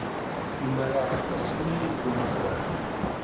Umareɣ aṭas imi ay ken-ẓriɣ.